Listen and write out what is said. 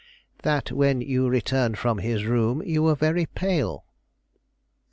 "That when you returned from his room you were very pale."